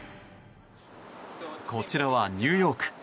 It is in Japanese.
こちらはニューヨーク。